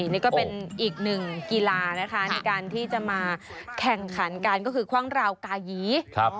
นี่ก็เป็นอีกหนึ่งกีฬานะคะในการที่จะมาแข่งขันกันก็คือคว่างราวกายี